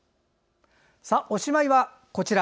おしまいはこちら。